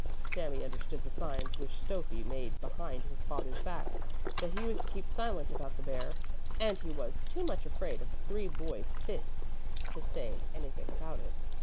Sami understood the signs which Stöffi made behind his father's back, that he was to keep silent about the bear, and he was too much afraid of the three boys' fists to say anything about it.